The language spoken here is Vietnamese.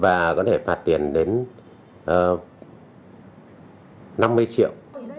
và có thể phạt tiền đến năm mươi triệu